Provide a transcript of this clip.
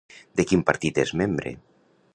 De quin partit és membre?